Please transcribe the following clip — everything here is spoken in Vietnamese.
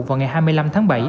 vào ngày hai mươi năm tháng bảy